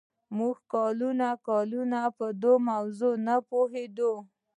موږ کلونه کلونه په دې موضوع نه پوهېدو